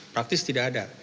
praktis tidak ada